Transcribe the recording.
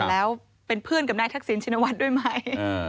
แล้วเป็นเพื่อนกับนายทักษิณชินวัฒน์ด้วยไหม